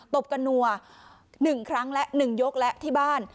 ตบกระหนัวหนึ่งครั้งนึงยกและที่บ้าน